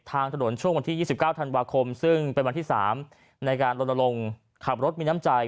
ทางถนนช่วงวันที่๒๙ธันวาคมซึ่งเป็นวันที่๓ในการลนลงขับรถมีน้ำใจ